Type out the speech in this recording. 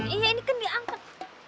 iya ini kan diangkat